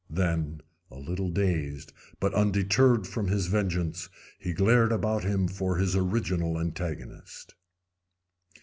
Then, a little dazed, but undeterred from his vengeance, he glared about him for his original antagonist.